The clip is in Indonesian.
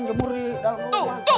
jemur di dalam rumah